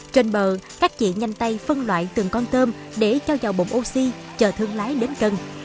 trên bờ các chị nhanh tay phân loại từng con tôm để cho vào bụng oxy chờ thương lái đến cân